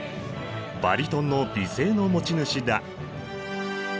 バリトンの美声の持ち主だ！